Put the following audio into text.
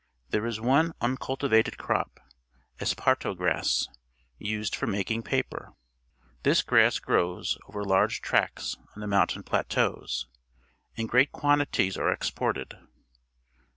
There is one uncultivated crop — esparto grass — used for making paper. This grass EGYPT 231 grows over large tracts on the mountain plateaus, and great quantities are exported.